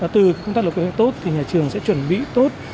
từ công tác lập kế hoạch tốt thì nhà trường sẽ chuẩn bị tốt